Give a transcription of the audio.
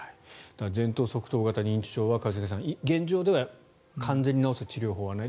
前頭側頭型認知症は一茂さん、現状では完全に治す治療法はない。